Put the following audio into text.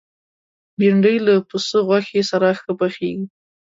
بېنډۍ له پسه غوښې سره ښه پخېږي